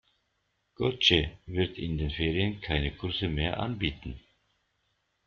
Gotje wird in den Ferien keine Kurse mehr anbieten.